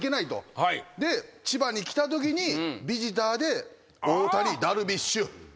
で千葉に来たときにビジターで大谷ダルビッシュマー君。